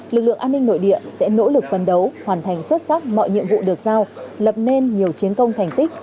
lực lượng an ninh nội địa sẽ nỗ lực phân đấu hoàn thành xuất sắc mọi nhiệm vụ được giao lập nên nhiều chiến công thành tích